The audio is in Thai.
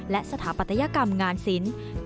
และสถาปัตยกรรมงานศิลป์